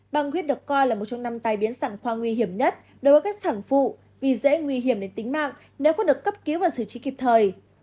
băng huyết được coi là một trong năm tai biến sẵn khoa nguy hiểm nhất đối với các sản phụ vì dễ nguy hiểm đến tính mạng nếu có được cấp cứu và xử trí kịp thời